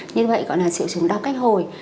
như vậy gọi là triệu chứng đau cách hồi